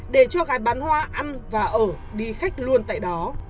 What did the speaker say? để cho gái bán hoa ăn và ở đi khách luôn tại đó